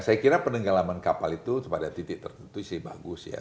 saya kira penenggelaman kapal itu pada titik tertentu sih bagus ya